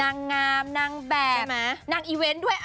นางงามนางแบบนางอีเวนต์ด้วย